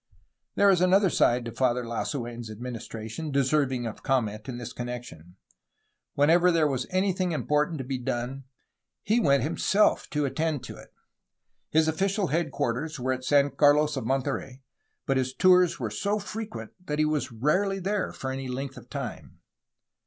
There is another side to Father Lasu6n's administration deserving of comment in this con nection. Whenever there was anything important to be done, he went himself to attend to it. His official head quarters were at San Carlos of Monterey, but his tours were so frequent that he was rarely there for any length of time.